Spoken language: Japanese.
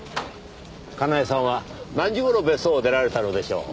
かなえさんは何時頃別荘を出られたのでしょう？